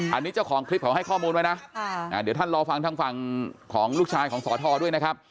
อันนี้เจ้าของคลิปเขาให้ข้อมูลไว้นะเดี๋ยวท่านรอฟังทางฝั่งของลูกชายของสอทอด้วยนะครับ